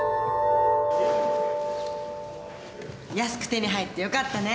安く手に入ってよかったね。